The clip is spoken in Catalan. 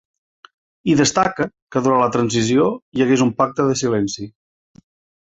I destaca que durant la transició hi hagués un pacte de silenci.